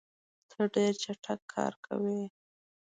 ته ډېر چټک کار کوې.